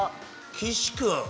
岸君。